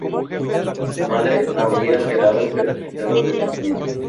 Su madre habría alterado el certificado de nacimiento.